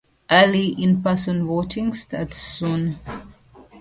Early in-person voting starts soon.